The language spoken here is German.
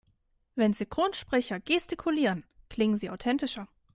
Wenn Synchronsprecher gestikulieren, klingen sie authentischer.